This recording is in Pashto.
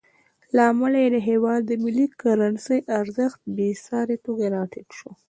له امله یې د هېواد ملي کرنسۍ ارزښت بېساري توګه راټیټ شو.